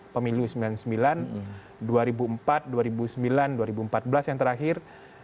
pemilu sembilan puluh sembilan dua ribu empat dua ribu sembilan dua ribu empat belas yang terakhir